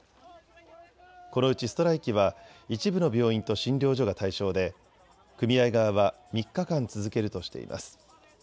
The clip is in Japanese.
このうちストライキは一部の病院と診療所が対象で組合側は３日間、続けるとしています。